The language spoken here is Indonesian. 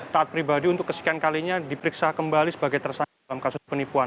taat pribadi untuk kesekian kalinya diperiksa kembali sebagai tersangka dalam kasus penipuan